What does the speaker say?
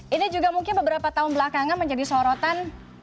ini juga mungkin beberapa tahun belakangan menjadi sorotan